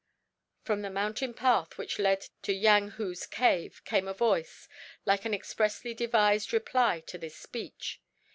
From the mountain path which led to Yang Hu's cave came a voice, like an expressly devised reply to this speech.